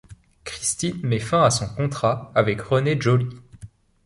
Christine met fin à son contrat avec René Joly.